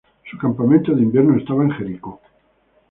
Su campamento de invierno estaba en Jericó.